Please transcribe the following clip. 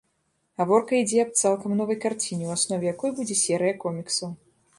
Гаворка ідзе аб цалкам новай карціне, у аснове якой будзе серыя коміксаў.